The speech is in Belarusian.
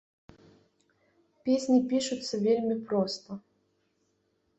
Песні пішуцца вельмі проста.